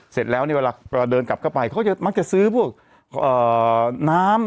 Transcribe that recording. เสร็จแล้วเวลาเดินกลับกลับไปเขามักจะซื้อพวกน้ำ